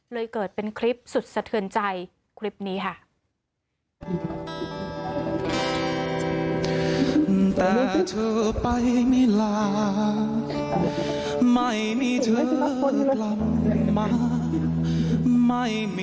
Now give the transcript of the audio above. เลยเกิดเป็นคลิปสุดสะเทือนใจคลิปนี้ค่ะ